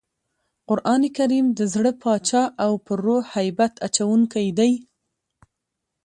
قرانکریم د زړه باچا او پر روح هیبت اچوونکی دئ.